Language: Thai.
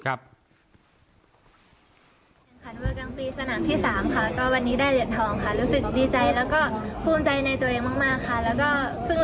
แล้วก็กลับไปก็จะต้องฝึกซ้ำหนักขึ้นค่ะ